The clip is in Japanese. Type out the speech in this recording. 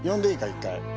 １回。